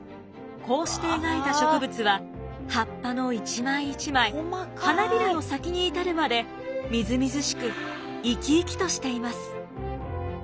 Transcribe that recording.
こうして描いた植物は葉っぱの一枚一枚花びらの先に至るまでみずみずしく生き生きとしています。